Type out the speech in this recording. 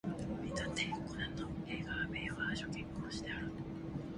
名探偵コナンの映画名は初見殺しである